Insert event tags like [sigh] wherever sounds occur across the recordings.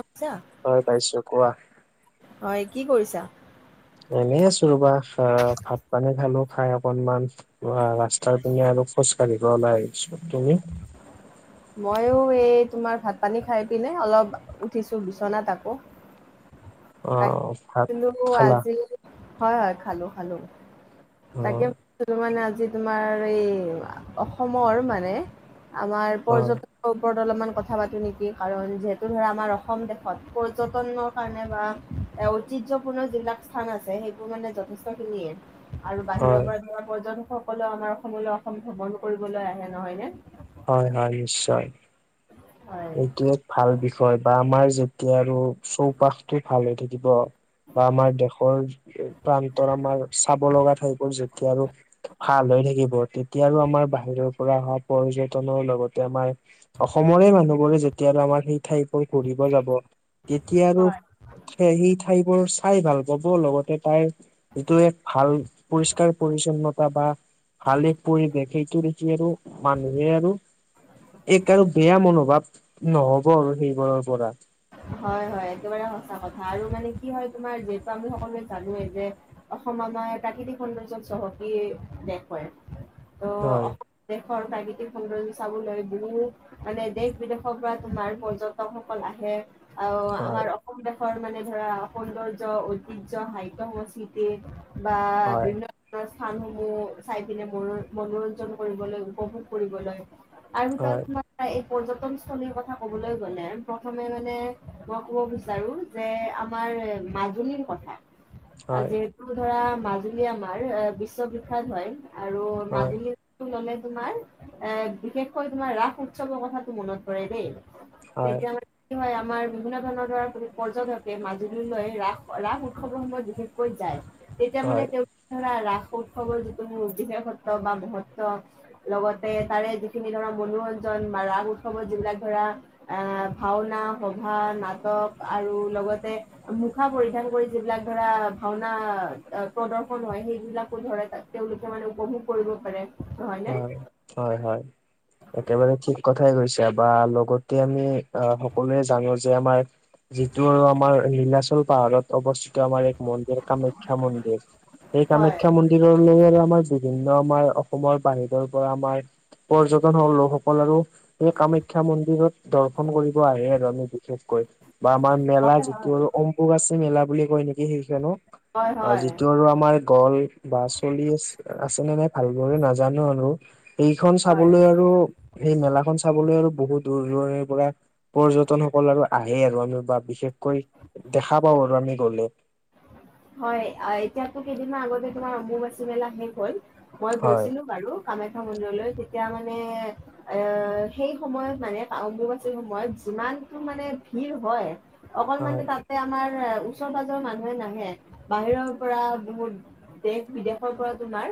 আচ্ছা। হয়, পাইছোঁ। কোৱা? হয়, কি কৰিছা? এনে আছো ৰ'বা। আহ, ভাত-পানী খালো, খাই অকনমান ৰাস্তাৰ পিনে আৰু খোজকাঢ়িব ওলাই আহিছোঁ। তুমি? মইয়ো এই তোমাৰ ভাত-পানী খাই পিনে, অলপ উঠিছোঁ বিচনাত আকৌ। অ, তাক ভাত কিন্তু খালা? আজি হয়, হয়, খালো, খালো। অ তাকে, [unintelligible] মানে আজি তোমাৰ এই অসমৰ মানে আমাৰ হয় পৰ্যট ওপৰত অলপমান কথা পাতো নেকি, কাৰণ যিহেতু ধৰা, আমাৰ অসম দেশত পৰ্যটনৰ কাৰণে বা এ, ঐতিহ্যসপূৰ্ণ যিবিলাক স্থান আছে, সেইবোৰ মানে যথেষ্ট খিনিয়ে আৰু বাহিৰৰ হয় পৰা যোৱা পৰ্যটক সকলেও আমাৰ অসমলৈ অসম ভ্ৰমণ কৰিবলৈ আহে নহয় নে! হয়, হয়, নিশ্চয়। হয়। এইটো এক ভাল বিষয় বা আমাৰ যেতিয়া আৰু চৌপাশটো ভাল হৈ থাকিব। বা আমাৰ দেশৰ প্ৰান্তৰ আমাৰ চাব লগা ঠাইবোৰ যেতিয়া আৰু ভাল হৈ থাকিব, তে তেতিয়া আৰু আমাৰ বাহিৰৰ পৰা অহা পৰ্যটনৰ লগতে, আমাৰ অসমৰে মানুহ যেতিয়া আমাৰ সেই ঠাইলৈ ঘূৰিব যাব, তেতিয়া আৰু হয় সেই সি ঠাইবোৰ চাই ভাল পাব, লগতে তাইৰ যিটো এক ভাল পৰিষ্কাৰ-পৰিচ্ছন্নতা বা [unintelligible] পৰিৱেশ, সেইটো দেখি আৰু মানুহে আৰু এক আৰু বেয়া মনোভাৱ নহ'ব আৰু সেইবোৰৰ পৰা। হয়, হয়, একেবাৰে সঁচা কথা, আৰু মানে কি হয়, তোমাৰ যিহেতু আমি সকলোৱে জানোৱেই যে অসম আমাৰ প্ৰাকৃতিক সৌন্দৰ্য চহকী দেশ হয়, ত', হয় অসম দেশৰ প্ৰাকৃতিক সৌন্দৰ্য চাবলৈ বহুত মানে দেশ-বিদেশৰ পৰা তোমাৰ পৰ্যটকসকল আহে। আহ, হয় আমাৰ অসম দেশৰ মানে ধৰা, সৌন্দৰ্য, ঐতিহ্য, সাহিত্য-সংস্কৃতি বা হয় বিভি ন্ন স্থানসমূহ চাই পিনে মনো-মনোৰঞ্জন কৰিবলৈ, উপভোগ কৰিবলৈ আৰু [unintelligible] ভিতৰত তোমাৰ এই পৰ্যটনস্থলীৰ কথা ক'বলৈ গ'লে, প্ৰথমে মানে মই ক'ব বিচাৰো, যে আমাৰ মাজুলীৰ কথা। হয় [unintelligible] ধৰা, মাজুলী আমাৰ এ বিশ্ববিখ্যাত হয় আৰু হয় মাজুলী ল'লে তোমাৰ এ, বিশেষকৈ তোমাৰ ৰাস উৎসৱৰ কথাতটো মনত পৰে দেই। হয় হয় তেতিয়া মানে কি হয় আমাৰ বিভিন্ন ধৰণৰ ধৰা পৰ্যটকে মাজুলীলৈ ৰাস-ৰাস উৎসৱৰ সময়ত বিশেষকৈ যায়। তেতিয়া মানে হয় হয় তেওঁ ধৰা ৰাস উৎসৱৰ যিটো মোৰ বিশেষত্ব বা মহত্ব, - লগতে তাৰে যিখিনি ধৰা মনোৰঞ্জন বা ৰাস উৎসৱত যিবিলাক ধৰা- আহ' ভাওনা, সভা, নাটক আৰু লগতে মুখা পৰিধান কৰি যিবিলাক ধৰা ভাওনা প্ৰদৰ্শন হয় সেইবিলাকো ধৰে তাত। তেওঁলোকে মানে উপভোগ কৰিব পাৰে। নহয় নে? হয়, হয় হয়। একেবাৰে ঠিক কথাই কৈছা বা লগতে আমি আহ' সকলোৱে জানো যে আমাৰ যিটো আৰু আমাৰ লীলাচল পাহাৰত অৱস্থিত আমাৰ এক মন্দিৰ কামাখ্যা মন্দিৰ- সেই হয় কামাখ্যা মন্দিৰৰ লগৰে আমাৰ বিভিন্ন আমাৰ অসমৰ বাহিৰৰ পৰা আমাৰ পৰ্যটন সহ লোকসকল আৰু- সেই কামাখ্যা মন্দিৰত দৰ্শন কৰিব আহে আৰু আমি বিশেষকৈ বা আমাৰ মেলা হয় যিটো আৰু অম্বুক আছে মেলা বুলি কয় নেকি সেইখনো হয় অঁ'‌ হয় যিটো আৰু আমাৰ [unintelligible] বা চলি আছে, আছেনে নাই ভালদৰে নাজানোঁ আৰু। সেইখন হয়। চাবলৈ আৰু সেই মেলাখন চাবলৈ আৰু বহু দূৰ দূৰে পৰা পৰ্যটন সকল আৰু আহে আৰু আমি বা বিশেষকৈ দেখা পাওঁ আৰু আমি গ'লে। হয়, এতিয়াতো কেইদিনমান আগতে তোমাৰ অম্বুবাচী মেলা শেষ হ'ল, মই হয় গৈছিলোঁ বাৰু- কামাখ্যা মন্দিৰলৈ। তেতিয়া মানে- এ সেই সময়ত মানে অম্বুবাচীৰ সময়ত যিমানটো মানে ভিৰ হয়- অকল হয় মানে তাতে আমাৰ ওচৰ পাজৰ মানুহে নাহে বাহিৰৰ পৰা বহুত দেশ বিদেশৰ পৰা তোমাৰ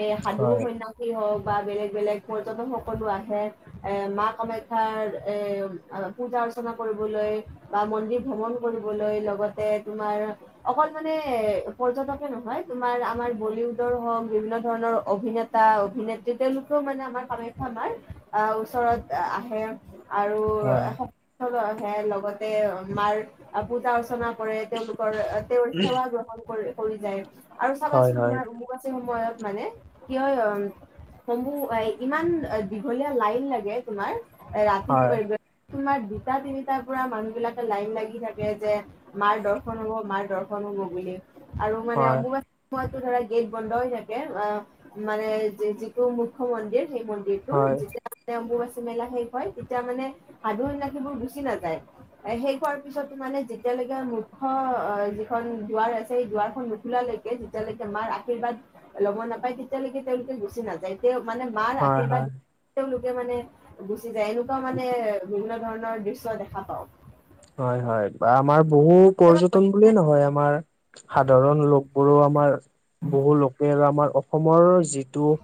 এ সাধু হয় সন্ন্যাসীৰ- হওঁক বা বেলেগ বেলেগ পৰ্যটক সকলো আহে, এ মা কামাখ্যাৰ এ অঁ' পূজা অৰ্চনা কৰিবলৈ- বা মন্দিৰ ভ্ৰমণ কৰিবলৈ, লগতে তোমাৰ অকল মানে পৰ্যটকে নহয় তোমাৰ আমাৰ বলিউডৰ হওক বিভিন্ন ধৰণৰ অভিনে তা-অভিনেত্ৰী তেওঁলোকেও মানে আমাৰ কামাখ্যা আমাৰ আহ' ওচৰত আহে। আৰু হয় [unintelligible] আহে লগতে আমাৰ পূজা অৰ্চনা- কৰে, তেওঁলোকৰ তেওঁৰ সেৱা গ্ৰহণ কৰি কৰি যায় আৰু হয় চাবাচোন হয় তোমাৰ [unintelligible] সময়ত মানে কি হয় সম্বু, ইমান দীঘলীয়া লাইন লাগে তোমাৰ ৰাতি হয় তোমাৰ দুটা তিনিটাৰ পৰা মানুহ বিলাকে লাইন লাগি থাকে যে মাৰ দৰ্শন হ'ব মাৰ দৰ্শন হ'ব বুলি আৰু মানে হয় অম্বুবাচী- সময়তো ধৰা গেট বন্ধ হৈ থাকে। অঁ' মানে যিটো মুখ্য মন্দিৰ সেই মন্দিৰ- যিবোৰ হয় যেতিয়া মানে অম্বুবাচী মেলা শেষ হয় তেতিয়া মানে সাধু সন্যাসী বোৰ গুচি নাযায়। এ শেষ হোৱাৰ পিছতো মানে যেতিয়ালৈকে মুখ্য অ খন দুৱাৰ আছে সেই দুৱাৰখন নুখলালৈকে যেতিয়ালৈকে মাৰ আশীৰ্বাদ ল'ব নাপায় তেতিয়ালৈকে তেওঁলোকে গুচি নাযায়। তেওঁ মানে- মাৰ হয় আশীৰ্বাদ হয় [unintelligible] তেওঁলোকে মানে গুচি যায় এনেকুৱা মানে বিভিন্ন ধৰণৰ দৃশ্য দে খা পাওঁ। হয় হয় বা আমাৰ বহু পৰ্যটন- একোৱেই নহয়, আমাৰ সাধাৰণ লোক বোৰো আমাৰ বহু লোকে আমাৰ- সময়ৰ যিটো-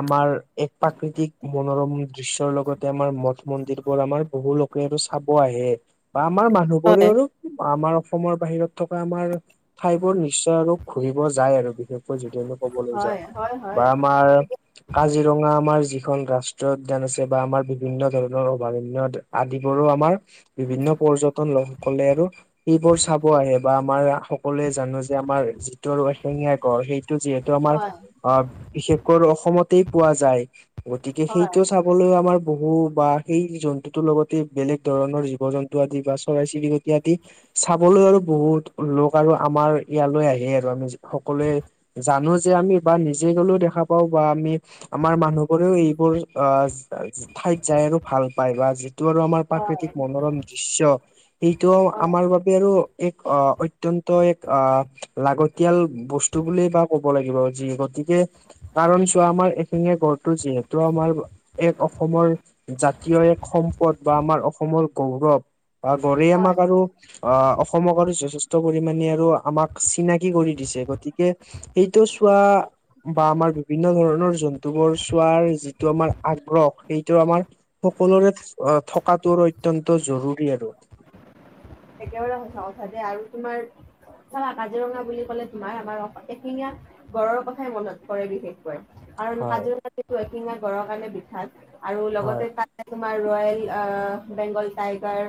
আমাৰ এক প্ৰাকৃতিক মনোৰমৰ দৃশ্যৰ লগতে আমাৰ মঠ মন্দিৰ বোৰ আমাৰ বহু লো কে এইতো চাব আহে বা আমাৰ মানুহবোৰে হয়। আৰু- আমাৰ অসমৰ বাহিৰত থকা আমাৰ ঠাই বোৰ নিশ্চয় আৰু ঘুৰিব যায় আৰু বিশেষ কৈ যদি আমি ক'বলৈ হয়, যাওঁ হয়, হয়। বা আমাৰ- কাজিৰঙা আমাৰ যিখন ৰাষ্ট্ৰীয় উদ্যান আছে বা আমাৰ বিভিন্ন ধৰণৰ অভয়াৰণ্যত আদিবোৰো আমাৰ বিভিন্ন পৰ্যটন লোকসকলে আৰু সেবোৰ চাব আহে বা আমাৰ সকলোৱে জানো যে আমাৰ যিটো আৰু এশেঙীয়া গড় সেইটো যিহে [unintelligible] আমাৰ হয়, অ', বিশেষ কৈ অসমতেই পোৱা যায়। গতিকে হয়, সেইটো হয়, চা সকলোৱে আমাৰ বহু বা সেই জন্তুটোৰ লগতে বেলেগ ধৰণৰ জীৱ জন্তু [unintelligible] আদি বা চৰাই চিৰিকতি আদি চাবলৈ আৰু বহুত লোক আৰু আমাৰ ইয়ালৈ আহে আৰু আমি যি সকলোৱে জানো যে আমি বা নিজে গ'লেও দেখা পাওঁ বা আমি আমাৰ মানুহবোৰেও এইবোৰ অ' ঠাইত যায় আৰু ভাল পায় বা যিটো আৰু আমাৰ প্ৰাকৃতিক মনোৰম দৃশ্য সেইটো হয়, আমাৰ [unintelligible] আৰু এক অ' অত্যন্ত এক আহ লাগতিয়াল বস্তু বুলি বা ক'ব লাগিব যি গতিকে কাৰণ চোৱা আমাৰ এশিঙীয়া গড়টো যিহেতু আমাৰ এক অসমৰ জাতীয় এক সম্পদ বা আমাৰ অসমৰ গৌৰৱ বা গড়ে হয়, আমাক আৰু অ', অসমক আৰু যথেষ্ট পৰিমানে আৰু আমাক চিনাকি কৰি দিছে গতিকে এইটো চোৱা বা আমাৰ বিভিন্ন ধৰণৰ জন্তুবোৰ চোৱাৰ যিটো আমাৰ আগ্ৰহ সেইটো আমাৰ সকলোৰে [unintelligible] থকাতটো অত্যন্ত জৰুৰী আৰু। একেবাৰে সঁচা কথা দে আৰু তোমাৰ চাবা কাজিৰঙা বুলি ক'লে তোমাৰ আমাৰ [unintelligible] এশিঙীয়া গড়ৰ কথাই মনত পৰে বিশেষকৈ। কাৰণ হয় কাজিৰঙা যিহেটো এশেঙিয়া গড়ৰ কাৰণে বিক্ষ্যাত আৰু হয় লগতে [unintelligible] তোমাৰ ৰয়েল অ' বেংগল টাইগাৰ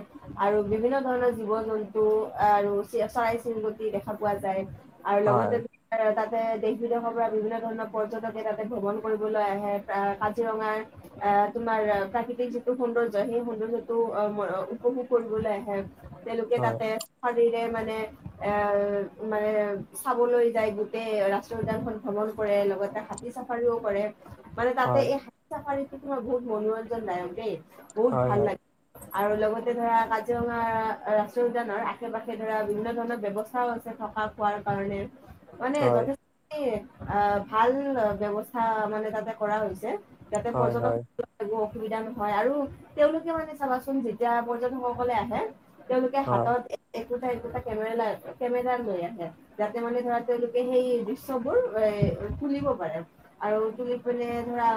আৰু বিভিন্ন ধৰণৰ জীৱ জন্তু আৰু চিৰ-চৰাই চিৰিকতি দেখা পোৱা যায় আৰু লগতে হয় [unintelligible] তাতে দেশ বিদেশৰ পৰা বিভিন্ন ধৰণৰ পৰ্যটকে তাতে ভ্ৰমণ কৰিবলৈ আহে [unintelligible] কাজিৰঙাৰ আহ তোমাৰ প্ৰাকৃতিক যিটো সৌন্দৰ্যয় সেই সৌন্দৰ্যটো অম-অম-আ উপভোগ কৰিবলৈ আহে তেওঁলোকে তাতে শৰীৰে মানে এ মানে চাবলৈ যায় গোটেই ৰাস্ত উদানখন ভ্ৰমণ কৰে লগতে হাতী চাফাৰীওঁ কৰে মানে তাতে হয় এই সাত [unintelligible] মনোৰঞ্জন দায়ক দেই বহুত ভাল হয় হয় লাগে। আৰু লগতে ধৰা কাজিৰঙা ৰাষ্ট্ৰীয় উদ্যনৰ আশে পাশে ধৰা বিভিন্ন ধৰণৰ ব্যৱস্থাও আছে থকা খোৱাৰ কাৰণে। মানে হয় [unintelligible] আহ ভাল ব্যৱস্থা মানে তাতে কৰা হৈছে। ইাতে হয় হয় পৰ্যটক একো অসুবিধা নহয় আৰু তেওঁলোকে মানে চাবাচোন যেতিয়া পৰ্যটকসকলে আহে তেওঁলোকে হাতত একোটা, একোটা কেমেৰা লৈ কেমেৰা লৈ আহে। যাতে মানে ধৰা তেওঁলোকে সেই দৃশ্যবোৰ এ তুলিব পাৰে। আৰু তুলি [unintelligible] ধৰা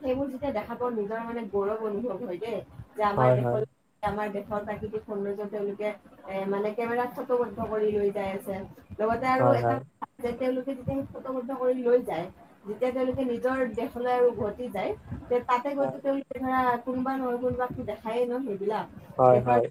সেইবোৰ যেতিয়া দেখা পাওঁ নিজৰ মানে গৌৰৱ অনুভৱ হয় দেই। যে আমাৰ হয় হয় দেশৰ আমাৰ দেশৰ প্ৰাকৃতিক [unintelligible] তেওঁলোকে এ মানে কেমেৰাত ফটো [unintelligible] কৰি লৈ যাই আছে লগতে আৰু হয় এটা হয় [unintelligible] তেওঁলোকে [unintelligible] ফত [unintelligible] কৰি লৈ যায়। যেতিয়া তেওঁলোকে নিজৰ দেশলৈ উভতি যায় তাতে গৈ [unintelligible] কোনবা নহয় কোনবাকটো দেখায়ে ন সেইবিলাক। হয় হয় হয় দেখুৱ হয়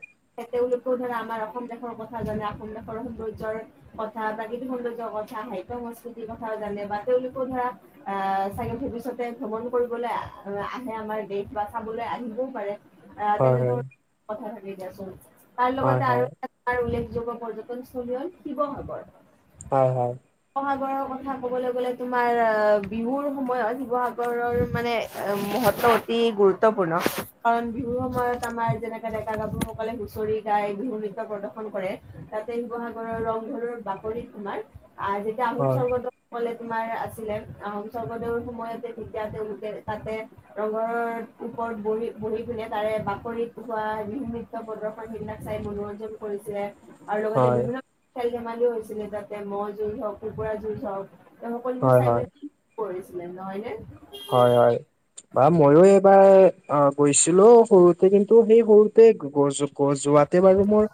তেওঁলোকো ধৰা আমাৰ অসম দেশৰ কথা জানে অসম দেশৰ সৌন্দৰ্যৰ কথা প্ৰাকৃতিক সৌন্দৰ্য কথা, সাহিত্য-সংস্কৃতিৰ কথাও জানে বা তেওঁলোক ধৰা অ', চাগে ভৱিষ্যতে ভ্ৰমণ কৰিবলৈ আহে, আমাৰ দেশ বা চাবলৈ আহিবও পাৰে। হয় হয় হয় হয় হয় তেনেধৰণৰ কথা থাকে দিয়াচোন। তাৰ হয় লগতে আৰু তাৰ উল্লেখযোগ্য পৰ্যটনস্থলী হ'ল শিৱসাগৰ। হয় হয়। শিৱসাগৰৰ কথা কবলৈ গ'লে তোমাৰ। অ', বিহুৰ সময়ত শিৱসাগৰৰ মানে মহত্ব অতি গুৰুত্বপূৰ্ণ। কাৰণ বিহুৰ সময়ত আমাৰ যেনেকে ডেকা-গাভৰুসকলে হুচৰি গাই, বিহু নৃত্য প্ৰদৰ্শন কৰে। তাতে শিৱসাগৰ ৰং ঘৰৰ বাকৰিত তোমাৰ আহোম হয় স্বৰ্গত ক'লে তোমাৰ আছিলে, আহোম স্বৰ্গদেউৰ সময়তে তেতিয়া তেওঁলোকে তাতে ৰঙঘৰ ওপৰত বহি বহি পিনে তাৰে বাকৰিত চোৱা, বিহু নিত্য প্ৰদৰ্শন মই সেইবিলাক চাই মনোৰঞ্জন কৰিছে, আৰু লগতে হয় বিভিন্ন খেল-ধেমালিও হৈছিলে তাতে, ম'হ জুজ হওঁক, কুকুৰা জুজ হওঁক, এই সকলবোৰ হয় চাই হয় মি কৰিছিলে, নহয় নে? হয় হয়। বা মইয়ো এইবাৰ অ' কৰিছিলো সৰুতে, কিন্তু সেই সৰুতে গৈ যোৱাত তেতিয়া বাৰু মোৰ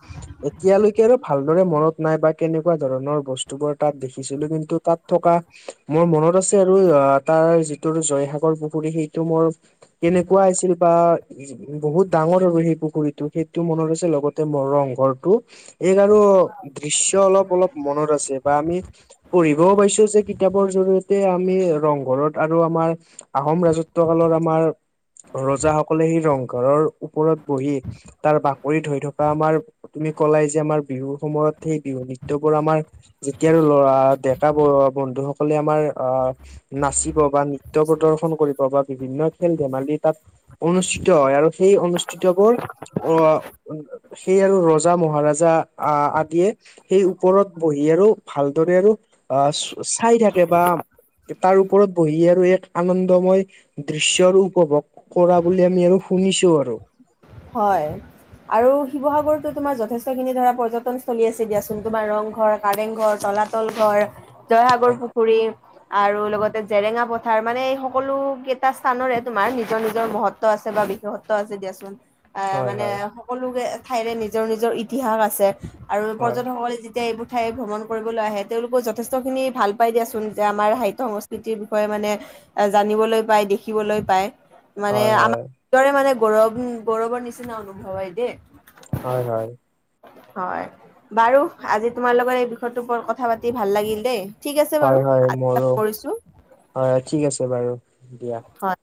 এতিয়ালৈকে আৰু ভালদৰে মনত নাই বা, কেনেকুৱা ধৰণৰ বস্তুবোৰ তাত দেখিছিলোঁ কিন্তু তাত থকা মোৰ মনত আছে আৰু, অ' তাৰ ত' জয়সাগৰ পুখুৰী, সেইটো মোৰ কেনেকুৱা আছিল বা উম্, বহুত ডাঙৰ আৰু সেই পুখুৰীটো, সেইটো মনত আছে। লগতে মো ৰং ঘৰটো, এই আৰু দৃশ্য অলপ অলপ মনত আছে, বা আমি পঢ়িবও পাইছোঁ, যে কিতাপৰ জৰিয়তে আমি ৰংঘৰত আৰু আমাৰ, আহোম ৰাজত্ব কালৰ আমাৰ ৰজাসকলে সেই ৰংঘৰৰ ওপৰত বহি, তাৰ বাকৰিত হৈ থকা আমাৰ তুমি কলাই যে আমাৰ, বিহুৰ সময়ত সেই বিহু নৃত্যবোৰ আমাৰ যেতিয়া আৰু ল'ৰা ডেকা ব বন্ধু সকলে, আমাৰ আহ নাচিত বা নৃত্য প্ৰদৰ্শন কৰিব, বা বিভিন্ন দিশত খেল-ধেমালি তাত অনুষ্ঠিত হয়, আৰু সেই অনুষ্ঠিতবোৰ অ' সেই আৰু ৰজা মহাৰজা অ' আদিয়ে সেই ওপৰত বহি আৰু, ভালদৰে আৰু অ', চাই থাকে বা তাৰ ওপৰত বহি আৰু এক আনন্দময় দৃশ্যৰ উপভোগ কৰা বুলি, আমি আৰু শুনিছোঁ আৰু। হয়। আৰু শিৱসাগৰতো তোমাৰ যথেষ্টখিনি ধৰা পৰ্যটন থলী আছে দিয়াচোন। তোমাৰ ৰংঘৰ, কাৰেংঘৰ, তলাত ল ঘৰ, জয়সাগৰ হয় পুখুৰী। আৰু লগতে জেৰেঙা পথাৰ, মানে এই সকলো কেইটা স্থানৰে তোমাৰ নিজৰ নিজৰ মহত্ব আছে, বা বিশেষত্ব আছে দিয়াচোন, অ', হয় মানে হয় সকলো ঠাইৰে নিজৰ নিজৰ ইতিহাস আছে। আৰু পৰ্যটকসকলে যেতিয়া এইবোৰ ঠাই ভ্ৰমণ কৰিবলৈ আহে, তেওঁলোকে যথেষ্টখিনি ভাল পাই দিয়াচোন। যে আমাৰ সাহিত্য-সংস্কৃতিৰ বিষয়ে মানে এ জানিবলৈ পায়, দেখিবলৈ পায়। মানে হয় আমাৰ হয় দৰে মানে গৌৰৱ, গৌৰৱৰ নিচিনা অনুভৱ হয় দেই। হয় হয়। হয়, বাৰু আজি তোমাৰ লগত এই বিষয়টোৰ ওপৰত কথা পাতি ভাল লাগিল দেই। ঠিক আছে বাৰু, হয় হয় মোৰো কৰিছোঁ। হয়, অ' ঠিক আছে বাৰু দিয়া। হয়।